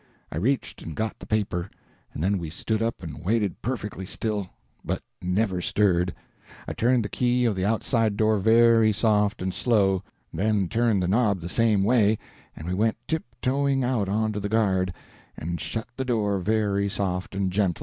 I reached and got the paper, and then we stood up and waited perfectly still; Bud never stirred; I turned the key of the outside door very soft and slow, then turned the knob the same way, and we went tiptoeing out onto the guard, and shut the door very soft and gentle.